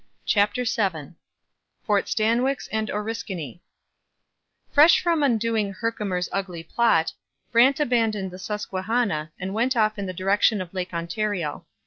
CHAPTER VII FORT STANWIX AND ORISKANY Fresh from undoing Herkimer's ugly plot, Brant abandoned the Susquehanna and went off in the direction of Lake Ontario.